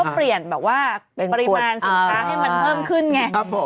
เปลี่ยนแบบว่าปริมาณสินค้าให้มันเพิ่มขึ้นไง